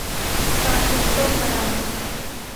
ปลาทูต้มมะดัน